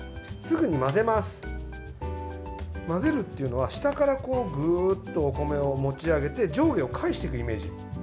混ぜるっていうのは下からグッとお米を持ち上げて上下を返していくイメージ。